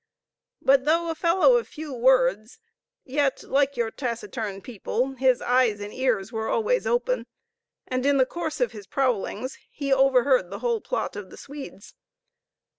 But though a fellow of few words, yet, like your taciturn people, his eyes and ears were always open, and in the course of his prowlings he overheard the whole plot of the Swedes.